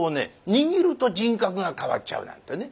握ると人格が変わっちゃうなんてね。